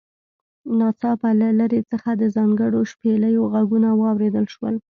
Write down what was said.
ناڅاپه له لرې څخه د ځانګړو شپېلیو غږونه واوریدل شول